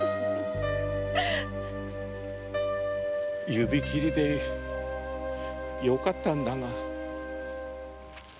指切りでよかったんだが。